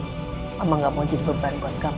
emang gak mau jadi beban buat kamu